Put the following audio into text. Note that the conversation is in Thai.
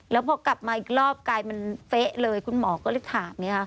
แล้วพอกลับมาอีกรอบกลายมันเป๊ะเลยคุณหมอก็เลยถาม